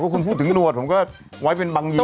คุณพูดถึงหนวดผมก็ไว้เป็นบางอย่าง